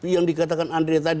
yang dikatakan andre tadi